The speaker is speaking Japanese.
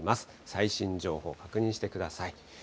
最新情報を確認してください。